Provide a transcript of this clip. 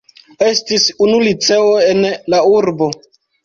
Estis unu liceo en la urbo.